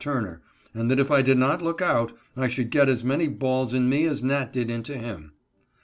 Turner, and that, if I did not look out, I should get as many balls in me as Nat. did into him.